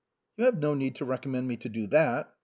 " You have no need to recommend me to do that."